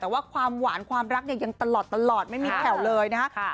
แต่ว่าความหวานความรักเนี่ยยังตลอดไม่มีแผ่วเลยนะครับ